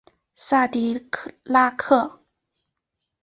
萨迪拉克。